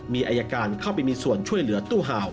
มีอายการเข้าไปมีส่วนช่วยเหลือตู้ห่าว